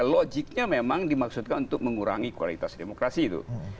logiknya memang dimaksudkan untuk mengurangi kualitas demokrasi itu